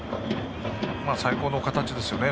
最高の形ですよね